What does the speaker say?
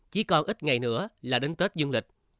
chỉ còn ít ngày nữa là đến tết dương lịch